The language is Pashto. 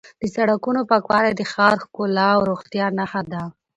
د سړکونو پاکوالی د ښار ښکلا او روغتیا نښه ده.